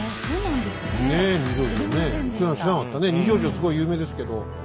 すごい有名ですけど。